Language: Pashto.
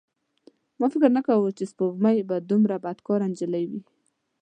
ما فکر نه کاوه چې سپوږمۍ به دومره بدکاره نجلۍ وي.